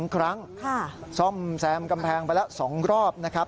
๒ครั้งซ่อมแซมกำแพงไปแล้ว๒รอบนะครับ